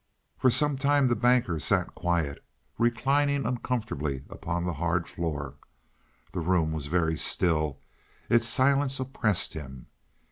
For some time the Banker sat quiet, reclining uncomfortably upon the hard floor. The room was very still its silence oppressed him.